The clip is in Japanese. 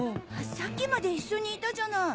さっきまで一緒にいたじゃない。